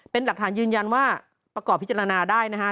เป็นหลักฐานยืนยันว่าประกอบพิจารณาได้นะฮะ